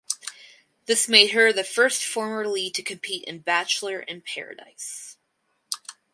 This made her the first former lead to compete in "Bachelor In Paradise".